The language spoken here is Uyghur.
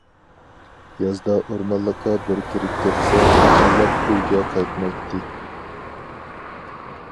يازدا ئورمانلىققا بىر كىرىپ كەتسە، ئايلاپ ئۆيىگە قايتمايتتى.